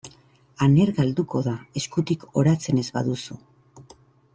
Aner galduko da eskutik oratzen ez baduzu.